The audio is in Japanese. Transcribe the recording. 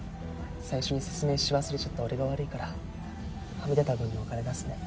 最初に説明し忘れちゃった俺が悪いからはみ出た分のお金出すね。